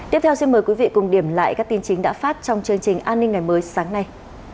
tiếp theo xin mời quý vị cùng điểm lại các tin chính đã phát trong chương trình an ninh ngày mới sáng nay